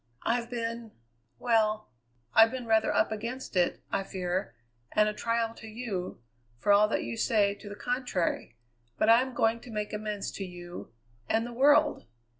I've been well, I've been rather up against it, I fear, and a trial to you, for all that you say to the contrary; but I am going to make amends to you and the world!